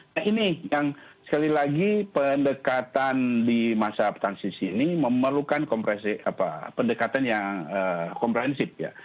nah ini yang sekali lagi pendekatan di masa transisi ini memerlukan pendekatan yang komprehensif ya